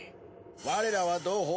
我らは同胞。